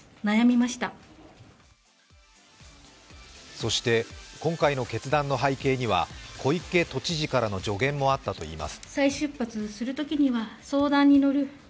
そして、今回の決断の背景には小池都知事からの助言もあったといいます。